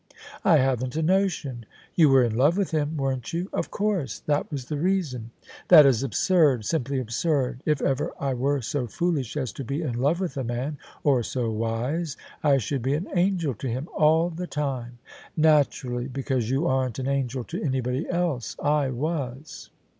" I haven't a notion." " You were in love with him, weren't you? "" Of course. That was the reason." "That is absurd — simply absurd 1 If ever I were so foolish as to be in love with a man— or so wise — I should be an angel to him all the time." "Naturally: because you aren't an angel to anybody else. I was."